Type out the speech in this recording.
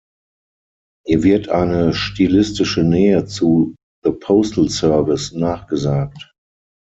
Ihr wird eine stilistische Nähe zu The Postal Service nachgesagt.